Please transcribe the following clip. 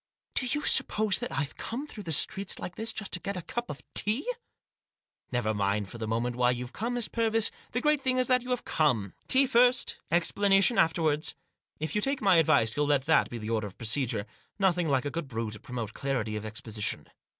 " Do you suppose that I've come through the streets like this just to get a cup of tea ?" "Never mind for the moment why you've come, Miss Purvis ; the great thing is that you have come. Tea first : explanation afterwards. If you take my advice you'll let that be the order of procedure. Nothing like a good brew to promote clarity of ex position."